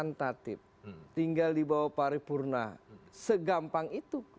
tinggal pengesan tatib tinggal di bawah pariwipurna segampang itu